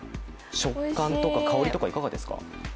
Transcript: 食感とか香りとかいかがですか。